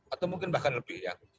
atau mungkin bahkan lebih yang